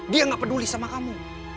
dia gak peduli sama kamu